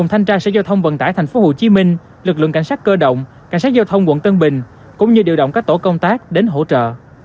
hồ chí minh lực lượng cảnh sát cơ động cảnh sát giao thông quận tân bình cũng như điều động các tổ công tác đến hỗ trợ